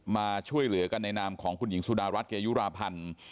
มาช่วยเหลือกันในนามของคุณหญิงสุดารัฐเกยุราพันธ์